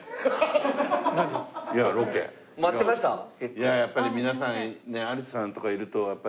いややっぱり皆さんね。